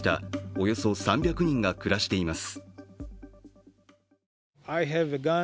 およそ３００人が暮らしています。